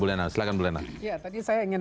bu lena silahkan bu lena ya tadi saya ingin